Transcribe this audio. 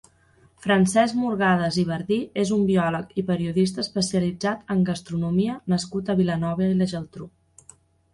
Francesc Murgadas i Bardí és un biòleg i periodista especialitzat en gastronomia nascut a Vilanova i la Geltrú.